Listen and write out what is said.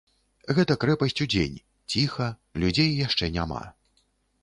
Гэта крэпасць удзень, ціха, людзей яшчэ няма.